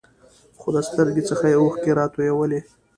خو د سترګو څخه یې اوښکې راوتلې.